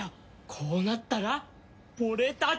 こうなったら俺たちも！